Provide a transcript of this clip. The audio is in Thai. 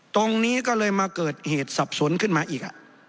ตรงนี้ก็เลยมาเกิดเหตุสับสนขึ้นมาอีก